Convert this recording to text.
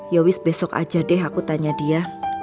yowis besok aja deh aku tanya dia